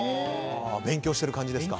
勉強してる感じですか。